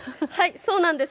そうなんです。